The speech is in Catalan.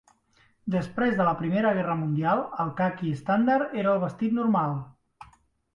Després de la Primera Guerra Mundial, el caqui estàndard era el vestit normal.